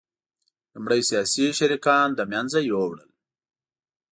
لومړی سیاسي شریکان له منځه یوړل